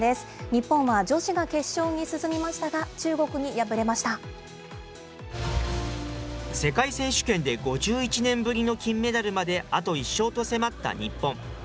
日本は女子が決勝に進みましたが、世界選手権で５１年ぶりの金メダルまであと１勝と迫った日本。